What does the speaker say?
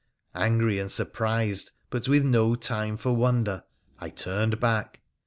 Angry and surprised, but with no time for wonder, I turned back.